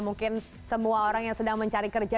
mungkin semua orang yang sedang mencari kerja